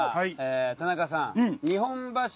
田中さん。